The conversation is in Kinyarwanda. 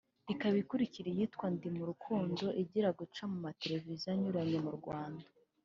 ikaba ikurikira iyitwa “Ndi Mu Rukundo” iri guca ku mateleviziyo anyuranye mu Rwanda